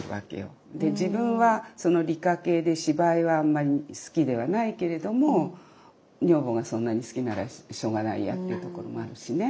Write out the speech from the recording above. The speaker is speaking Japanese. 自分は理科系で芝居はあんまり好きではないけれども女房がそんなに好きならしょうがないやっていうところもあるしね。